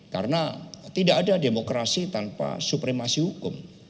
karena jika terjadi umpamu